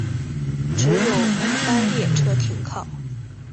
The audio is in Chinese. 只有一般列车停靠。